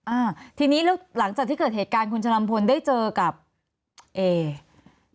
อ่าทีนี้แล้วหลังจากที่เกิดเหตุการณ์คุณชะลัมพลได้เจอกับเอ